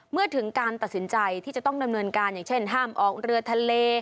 เมื่อถึงการตัดสินใจที่จะต้องดำเนินการอย่างเช่นห้ามออกเรือทะเล